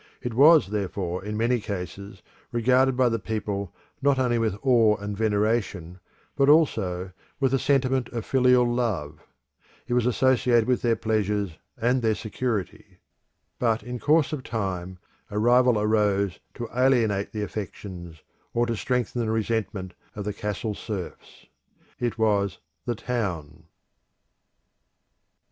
It was therefore, in many cases, regarded by the people not only with awe and veneration, but also with a sentiment of filial love. It was associated with their pleasures and their security. But in course of time a rival arose to alienate the affections, or to strengthen the resentment of the castle serfs. It was the Town.